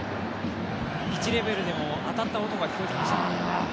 ピッチレベルでも当たった音が聞こえていました。